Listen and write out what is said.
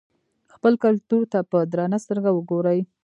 خپل کلتور ته په درنه سترګه وګورئ.